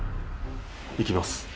行きます。